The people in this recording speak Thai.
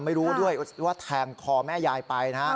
ไม่รู้ด้วยว่าแทงคอแม่ยายไปนะฮะ